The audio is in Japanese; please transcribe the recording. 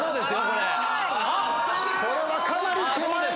これはかなり手前です。